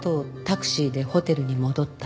タクシーでホテルに戻った。